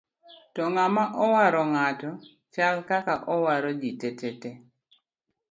to ng'ama owaro ng'ato chal kaka owaro ji te te